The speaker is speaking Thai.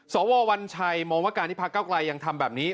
สวววัญชัยมองว่ากาญพาข้าวใกล้ยังทำแบบนี้